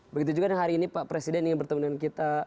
begitu juga dengan hari ini pak presiden ingin bertemu dengan kita